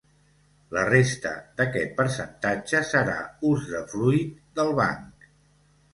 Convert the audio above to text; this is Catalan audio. La resta d'aquest percentatge serà usdefruit del banc.